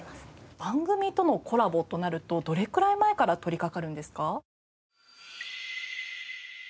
番組とのコラボとなるとどれくらい前から取りかかるんですか？